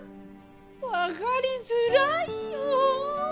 分かりづらいよ！